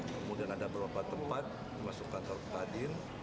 kemudian ada beberapa tempat dimasukkan ke badin